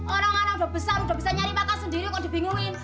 orang orang udah besar udah bisa nyari makan sendiri kok dibingungin